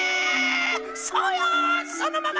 そうよそのまま！